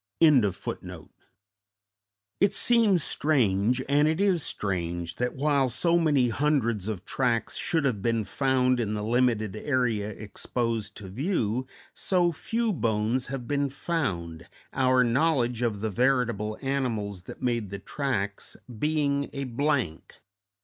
_ It seems strange, and it is strange, that while so many hundreds of tracks should have been found in the limited area exposed to view, so few bones have been found our knowledge of the veritable animals that made the tracks being a blank.